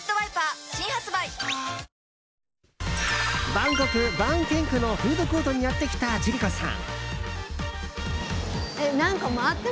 バンコク・バーンケーン区のフードコートにやってきた千里子さん。